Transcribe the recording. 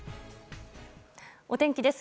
お天気です。